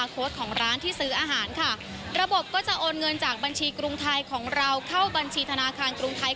ของเราเข้าบัญชีธนาคารกรุงไทย